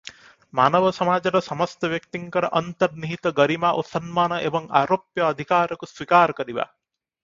ମାନବ ସମାଜର ସମସ୍ତ ବ୍ୟକ୍ତିଙ୍କର ଅନ୍ତର୍ନିହିତ ଗରିମା ଓ ସମ୍ମାନ ଏବଂ ଅରୋପ୍ୟ ଅଧିକାରକୁ ସ୍ୱୀକାର କରିବା ।